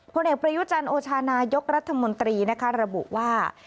ผลเอกประยุจันทร์โอชานายกรัฐมนตรีนะคะระบุว่า